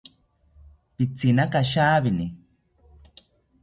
Pitzinaka shawini